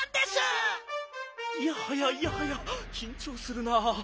いやはやいやはやきんちょうするなあ。